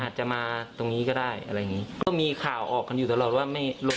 อาจจะมาตรงนี้ก็ได้อะไรอย่างงี้ก็มีข่าวออกกันอยู่ตลอดว่าไม่ลง